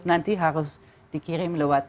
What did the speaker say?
nanti harus dikirim lewat